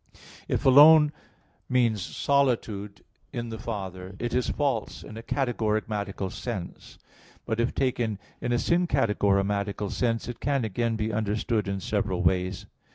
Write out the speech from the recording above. If "alone" means solitude in the Father, it is false in a categorematical sense; but if taken in a syncategorematical sense it can again be understood in several ways.